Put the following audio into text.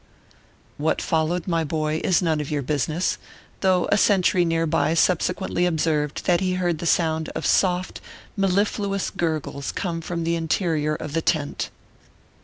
What followed, my boy, is none of your business, though a sentry near by subsequently observed that he heard the sound of soft, mellifluous gurgles come from the interior of the tent.